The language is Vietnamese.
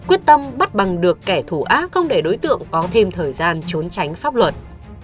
quyết tâm bắt bằng được kẻ thù ác không để đối tượng có thêm thời gian trốn tránh pháp luật